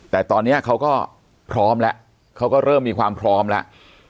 แต่ตอนนี้เขาก็พร้อมแล้วเขาก็เริ่มมีความพร้อมแล้ว